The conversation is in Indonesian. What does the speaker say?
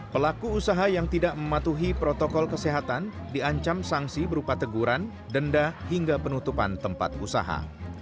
pelaku usaha yang tidak mematuhi protokol kesehatan diancam sanksi berupa teguran denda hingga penutupan tempat usaha